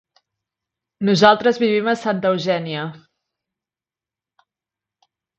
Nosaltres vivim a Santa Eugènia.